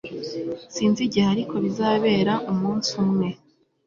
Sinzi igihe ariko bizabera umunsi umwe